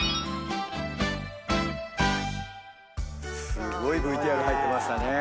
すごいＶＴＲ入ってましたね。